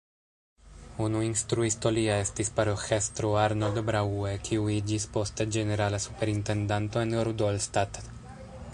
Unu instruisto lia estis paroĥestro Arnold Braue kiu iĝis poste ĝenerala superintendanto en Rudolstadt.